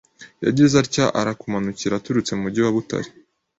Yagize atya arakumanukira aturutse mu mujyi wa Butare,